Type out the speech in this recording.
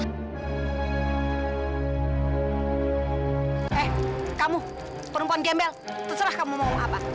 eh kamu perempuan gembel terserah kamu mau apa